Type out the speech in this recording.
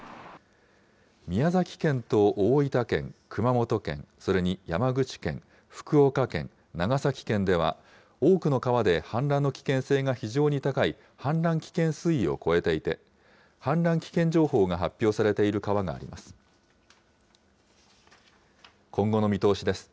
宮崎県と大分県、熊本県、それに山口県、福岡県、長崎県では、多くの川で氾濫の危険性が非常に高い氾濫危険水位を超えていて、氾濫危険情報が発表されている川があります。